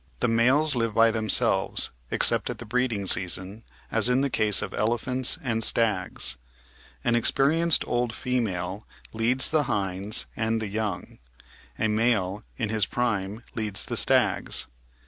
Natural History 485 themselves except at the breeding season, as in the case of ele phants and stags. An experienced old female leads the hinds and the young; a male in his prime leads the stags.